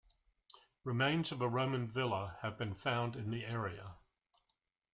Remains of a Roman villa have been found in the area.